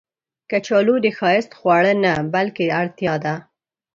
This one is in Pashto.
کچالو د ښایست خواړه نه، بلکې اړتیا ده